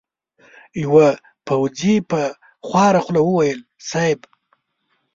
يوه پوځي په خواره خوله وويل: صېب!